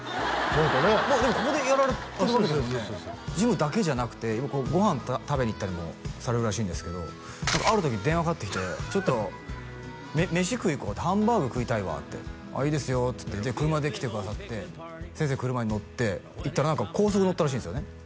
そうそうそうそうそうジムだけじゃなくてよくご飯食べに行ったりもされるらしいんですけどある時電話かかってきて「ちょっと飯食いに行こうハンバーグ食いたいわ」って「ああいいですよ」っつって車で来てくださって先生車に乗って行ったら高速乗ったらしいんですよね